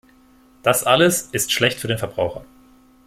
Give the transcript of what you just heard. Das alles ist schlecht für den Verbraucher.